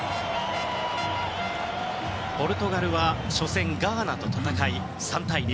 ポルトガルは初戦、ガーナと戦い３対２。